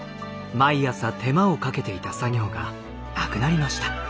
毎朝手間をかけていた作業がなくなりました。